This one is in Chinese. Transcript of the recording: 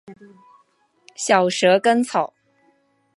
小蛇根草